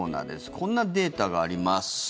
こんなデータがあります。